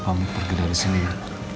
saya pamit pergi dari sini ya